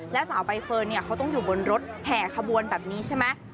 แล้วสาวใบเฟิร์นเขาต้องอยู่บนรถแห่ขบวนแบบนี้ใช่ไหม